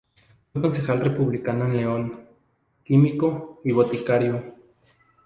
Fue concejal republicano en León, químico y boticario.